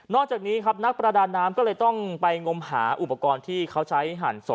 จากนี้ครับนักประดาน้ำก็เลยต้องไปงมหาอุปกรณ์ที่เขาใช้หั่นศพ